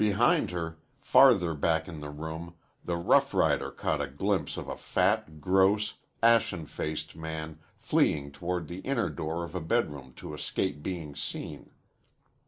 Behind her, farther back in the room, the roughrider caught a glimpse of a fat, gross, ashen faced man fleeing toward the inner door of a bedroom to escape being seen.